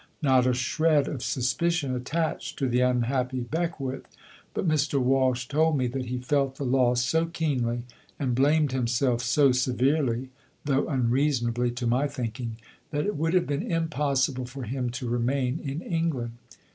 Not a shred of suspicion attached to the unhappy Beckwith. But Mr. Walsh told me that he felt the loss so keenly and blamed himself so severely, though unreasonably, to my thinking, that it would have been impossible for him to remain in England.